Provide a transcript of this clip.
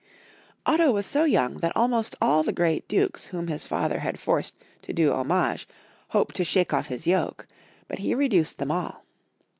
Otto was so young that almost all the great dukes whom his father had forced to do homage hoped to shake off his yoke, but he reduced them all.